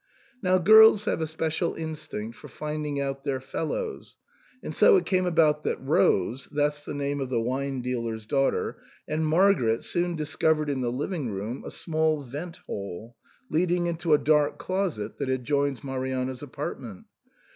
Now girls have a special instinct for finding out their fellows, and so it came about that Rose — that's the name of the wine dealer's daughter — and Margaret soon discovered in the living room a small vent hole, leading into a dark closet that adjoins Marianna's apartment.